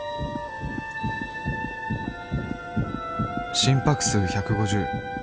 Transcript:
心拍数１５０